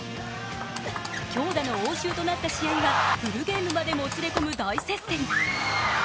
強打の応酬となった試合はフルゲームまでもつれ込む大接戦。